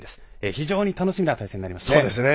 非常に楽しみな対戦になりますね。